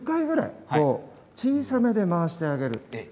１０回ぐらい小さめに回してあげる。